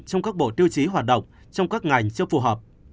trong các bộ tiêu chí hoạt động trong các ngành chưa phù hợp